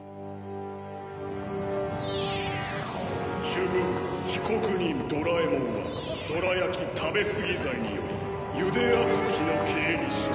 主文被告人ドラえもんはどら焼き食べすぎ罪により茹であずきの刑に処す。